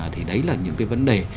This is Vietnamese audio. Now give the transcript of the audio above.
thì đấy là những cái vấn đề